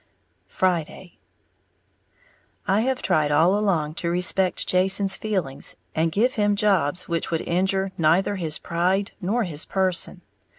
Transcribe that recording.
Friday. I have tried all along to respect Jason's feelings, and give him jobs which would injure neither his pride nor his person.